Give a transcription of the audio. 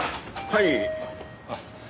はい。